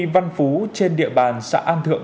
văn phú trên địa bàn xã an thượng